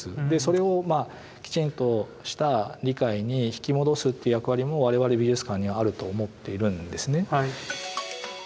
でそれをきちんとした理解に引き戻すっていう役割も我々美術館にはあると思っているんですね。